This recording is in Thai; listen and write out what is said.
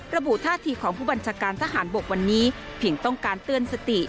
ระบุท่าทีของผู้บัญชาการทหารบกวันนี้เพียงต้องการเตือนสติ